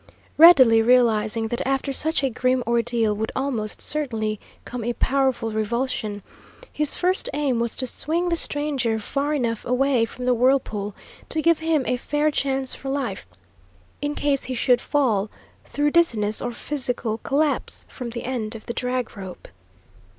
Readily realising that after such a grim ordeal would almost certainly come a powerful revulsion, his first aim was to swing the stranger far enough away from the whirlpool to give him a fair chance for life, in case he should fall, through dizziness or physical collapse, from the end of the drag rope.